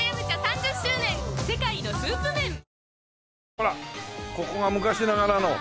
ほらここが昔ながらの。